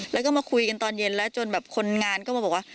แล้วก็มาคุยกันตอนเย็นแล้วจนแบบคนงานก็มาบอกว่า